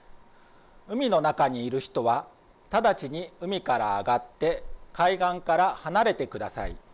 海の中にいる人は直ちに海から上がって海岸から離れてください。